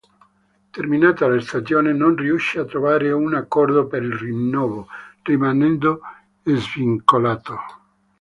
Terminata la stagione non riuscì a trovare un accordo per il rinnovo, rimanendo svincolato.